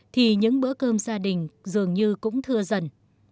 thì những bữa cơm gia đình dường như cũng thưa dần